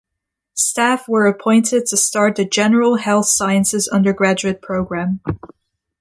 Staff were appointed to start the general health sciences undergraduate program.